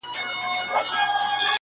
نه بيزو نه قلندر ورته په ياد وو!.